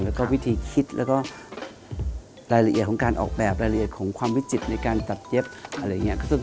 แล้วก็วิธีคิดแล้วก็รายละเอียดของการออกแบบรายละเอียดของความวิจิตรในการตัดเย็บอะไรอย่างนี้